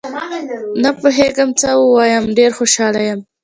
نه پوهېږم څه ووایم، ډېر خوشحال یم